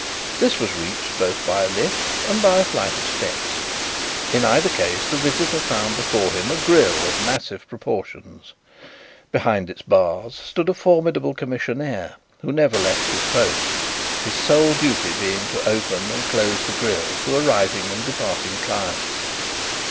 This was reached both by a lift and by a flight of steps. In either case the visitor found before him a grille of massive proportions. Behind its bars stood a formidable commissionaire who never left his post, his sole duty being to open and close the grille to arriving and departing clients.